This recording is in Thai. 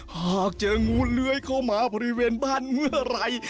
หากเจองูเลื้อยเข้ามาบริเวณบ้านเมื่อไหร่